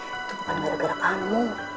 itu bukan gara gara kamu